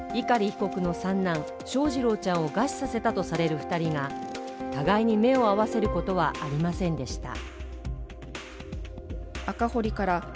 碇被告の三男・翔士郎ちゃんを餓死させたとされる２人が互いに目を合わせることはありませんでした。